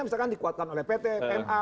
misalkan dikuatkan oleh pt pma